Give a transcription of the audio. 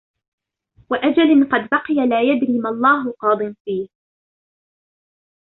وَأَجَلٍ قَدْ بَقِيَ لَا يَدْرِي مَا اللَّهُ قَاضٍ فِيهِ